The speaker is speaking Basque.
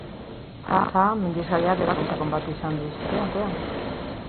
Antza, mendizaleak ebaki sakon bat izan du izter batean.